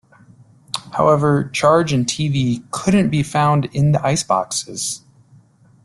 However, Charge and TeeVee couldn't be found in the iceboxes.